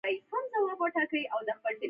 • د زړۀ د تسل لپاره لږ کښېنه.